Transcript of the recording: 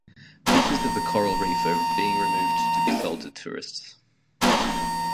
Pieces of the coral reef are being removed to be sold to tourists.